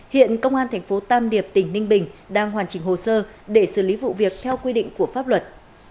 hiện công an thành phố tam điệp tỉnh ninh bình đang hoàn chỉnh hồ sơ để xử lý vụ việc theo quy định của pháp luật